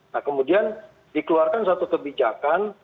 nah kemudian dikeluarkan satu kebijakan